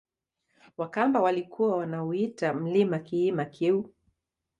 Wakamba walikuwa wanauita mlima kiima Kyeu